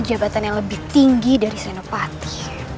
jabatan yang lebih tinggi dari senopati